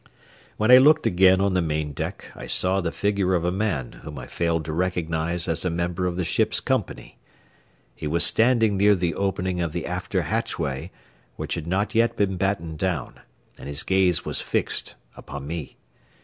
When I looked again on the main deck I saw the figure of a man whom I failed to recognize as a member of the ship's company. He was standing near the opening of the after hatchway, which had not yet been battened down, and his gaze was fixed upon me.